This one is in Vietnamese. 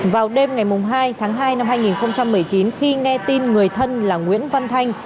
vào đêm ngày hai tháng hai năm hai nghìn một mươi chín khi nghe tin người thân là nguyễn văn thanh